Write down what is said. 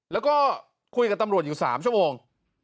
แล้วก็คุยกับตำรวจอยู่๓ชั่วโมง